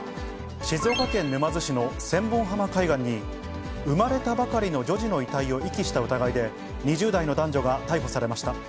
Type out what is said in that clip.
静岡県沼津市の千本浜海岸に、生まれたばかりの女児の遺体を遺棄した疑いで、２０代の男女が逮捕されました。